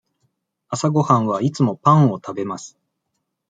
朝ごはんはいつもパンを食べます。